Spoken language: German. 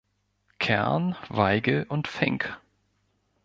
Kern, Weigel und Fink".